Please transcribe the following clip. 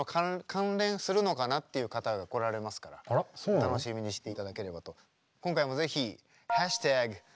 お楽しみにしていただければと。